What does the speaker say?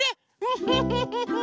フフフフフ。